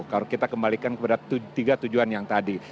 kalau kita kembalikan kepada tiga tujuan yang tadi